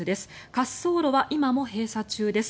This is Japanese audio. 滑走路は今も閉鎖中です。